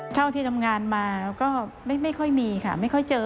เท่าที่ทำงานมาก็ไม่ค่อยมีค่ะไม่ค่อยเจอ